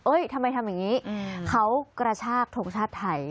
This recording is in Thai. ทำไมทำอย่างนี้เขากระชากทงชาติไทย